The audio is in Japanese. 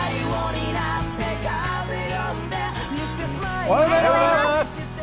おはようございます！